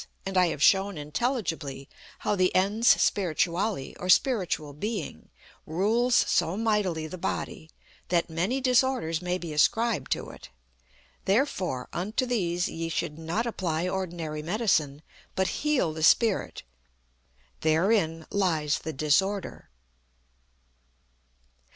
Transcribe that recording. And I have shown intelligibly how the Ens Spirituale, or Spiritual Being, rules so mightily the body that many disorders may be ascribed to it. Therefore unto these ye should not apply ordinary medicine, but heal the spirit therein lies the disorder."